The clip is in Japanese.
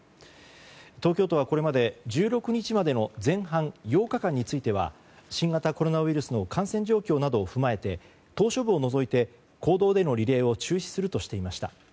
東京都はこれまで１６日までの前半８日間については新型コロナウイルスの感染状況などを踏まえて島しょ部を除いて公道でのリレーを中止するとしていました。